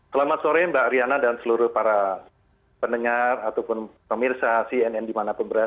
selamat sore mbak riana dan seluruh para pendengar ataupun pemirsa cnn dimana pun beras